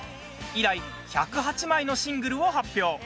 以来、１０８枚のシングルを発表。